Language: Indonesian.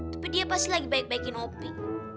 tapi dia pasti lagi baik baikin hopi